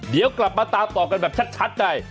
เดี๋ยวกลับมาตามต่อกันแบบชัดใน